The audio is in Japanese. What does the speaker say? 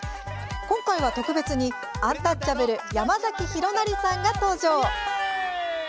今回は、特別にアンタッチャブル山崎弘也さんが登場。